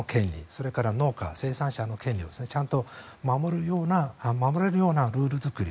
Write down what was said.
それから農家、生産者の権利をちゃんと守れるようなルール作り